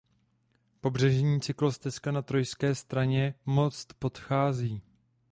Pobřežní cyklostezka na trojské straně most podchází.